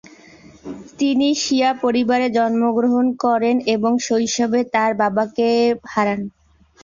তিনি শিয়া পরিবারে জন্মগ্রহণ করেন এবং শৈশবেই তার বাবাকে হারান।